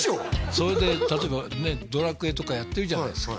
それで例えばね「ドラクエ」とかやってるじゃないですか